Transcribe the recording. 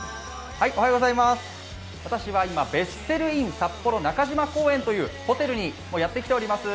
私は今ベッセルイン札幌中島公園というホテルにやってきております。